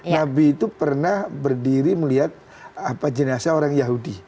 nabi itu pernah berdiri melihat jenazah orang yahudi